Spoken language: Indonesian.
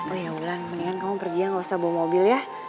oh ya bulan mendingan kamu pergi ya nggak usah bawa mobil ya